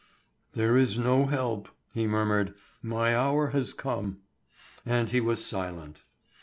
"There is no help," he murmured; "my hour has come." And he was silent.